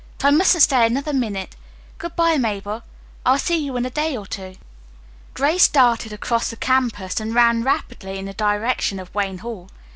But I mustn't stay another minute. Good bye, Mabel, I'll see you in a day or two." Grace darted across the campus and ran rapidly in the direction of Wayne Hall.